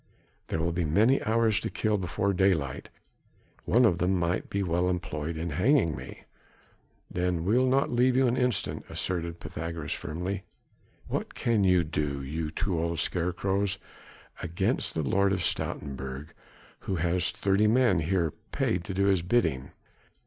There will be many hours to kill before daylight, one of them might be well employed in hanging me." "Then we'll not leave you an instant," asserted Pythagoras firmly. "What can you do, you two old scarecrows, against the Lord of Stoutenburg who has thirty men here paid to do his bidding?"